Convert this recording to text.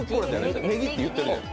ねぎって言ってるやん。